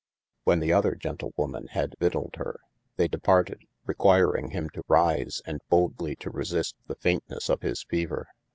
When the other gentlewoman had vytayled hir, they departed, requiring him to rise and boldly to resist the fayntenesse of his fever.